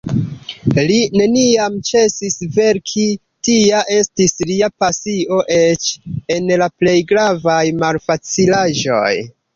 Li neniam ĉesis verki, tia estis lia pasio eĉ en la plej gravaj malfacilaĵoj.